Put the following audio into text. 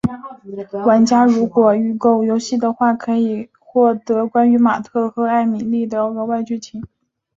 玩家如果预购游戏的话可获得关于马特和艾蜜莉的额外剧情。